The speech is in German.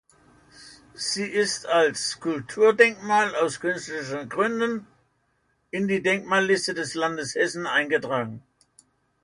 Sie ist als „Kulturdenkmal aus künstlerischen Gründen“ in die Denkmalliste des Landes Hessen eingetragen.